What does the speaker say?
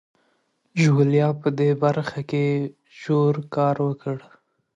ژوليا په دې برخه کې ژور کار وکړ.